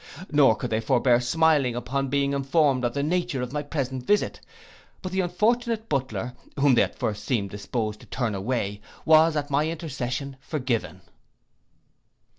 Nor could they forbear smiling upon being informed of the nature of my present visit: but the unfortunate butler, whom they at first seemed disposed to turn away, was, at my intercession, forgiven.